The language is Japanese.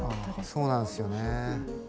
そうなんですよね。